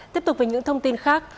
tiếp tục với những thông tin khác